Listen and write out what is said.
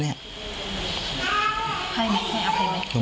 ให้มั้ยให้อภัยไหม